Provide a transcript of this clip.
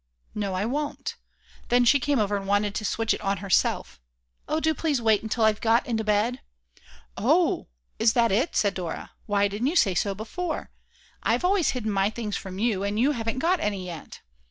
"No I won't." Then she came over and wanted to switch it on herself; "Oh do please wait until I've got into bed." "O o h, is that it," said Dora, "why didn't you say so before? I've always hidden my things from you, and you haven't got any yet."